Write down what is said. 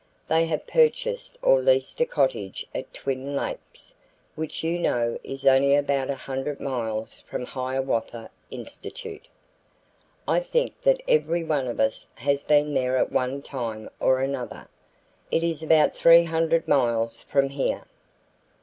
They have purchased or leased a cottage at Twin Lakes, which you know is only about a hundred miles from Hiawatha Institute. I think that every one of us has been there at one time or another. It is about three hundred miles from here.